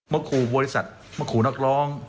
มาขู่บริษัทมาขู่นักร้อง